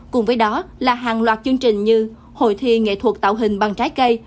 cùng với đó là hàng loạt chương trình như hội thi nghệ thuật tạo hình bằng trái cây